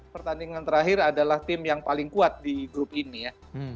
pertandingan terakhir adalah tim yang paling kuat di grup ini ya